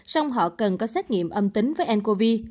xong họ cần có xét nghiệm âm tính với ncov